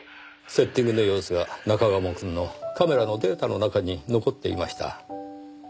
セッティングの様子が中鴨くんのカメラのデータの中に残っていました。